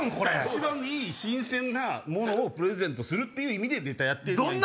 一番いい新鮮なものをプレゼントするっていう意味でネタやってんねん。